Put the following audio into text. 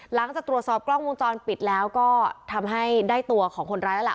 หลังจากตรวจสอบกล้องวงจรปิดแล้วก็ทำให้ได้ตัวของคนร้ายแล้วล่ะ